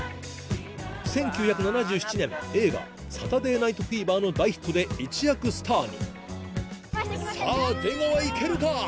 １９７７年映画『サタデー・ナイト・フィーバー』の大ヒットで一躍スターにさぁ出川いけるか？